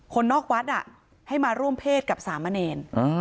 คนนอกวัดให้มาร่วมเพศกับสามเณร